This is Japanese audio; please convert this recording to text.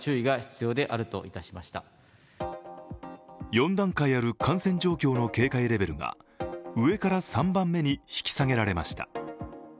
４段階ある感染状況の警戒レベルが上から３番目に引き下げられました。